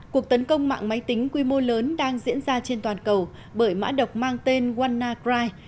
cuộc tấn công mạng máy tính quy mô lớn đang diễn ra trên toàn cầu bởi mã độc mang tên wannacry